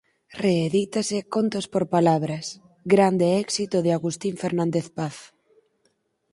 Reedítase Contos por palabras, grande éxito de Agustín Fernández Paz